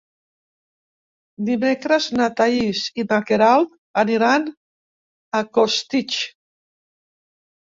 Dimecres na Thaís i na Queralt aniran a Costitx.